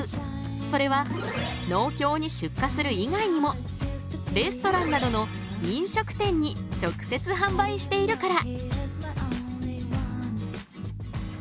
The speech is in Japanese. それは農協に出荷する以外にもレストランなどの飲食店に直接販売しているから！